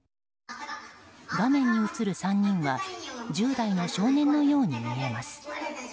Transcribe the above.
画面に映る３人は１０代の少年のように見えます。